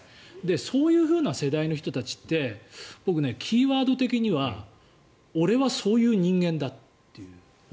そういうふうな世代の人たちって僕、キーワード的には俺はそういう人間だという。